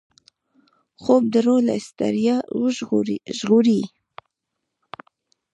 خوب د روح له ستړیا ژغوري